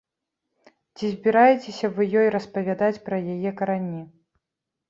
Ці збіраецеся вы ёй распавядаць пра яе карані?